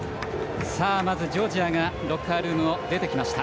まずジョージアがロッカールームを出てきました。